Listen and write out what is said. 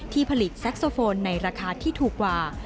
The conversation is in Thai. ผลิตแซ็กโซโฟนในราคาที่ถูกกว่า